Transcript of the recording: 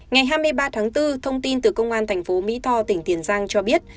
ngày hai mươi ba tháng bốn thông tin từ công an thành phố mỹ tho tỉnh tiền giang cho biết